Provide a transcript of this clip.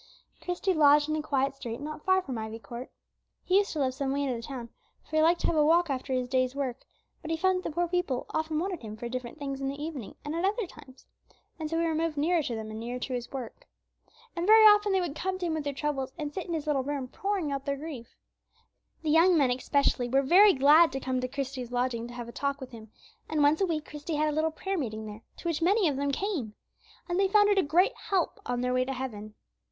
Christie lodged in a quiet street not far from Ivy Court. He used to live some way out of the town, for he liked to have a walk after his day's work was done; but he found that the poor people often wanted him for different things in the evening and at other times, and so he removed nearer to them and nearer to his work. And very often they would come to him with their troubles, and sit in his little room pouring out their grief. The young men especially were very glad to come to Christie's lodging to have a talk with him; and once a week Christie had a little prayer meeting there, to which many of them came. And they found it a great help on their way to heaven.